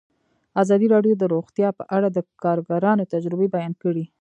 ازادي راډیو د روغتیا په اړه د کارګرانو تجربې بیان کړي.